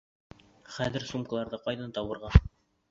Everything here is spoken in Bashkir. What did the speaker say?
Хәҙер сумкаларҙы ҡайҙан табырға?